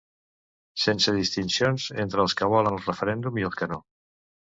Sense distincions entre els que volen el referèndum i els que no.